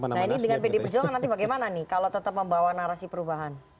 nah ini dengan pd perjuangan nanti bagaimana nih kalau tetap membawa narasi perubahan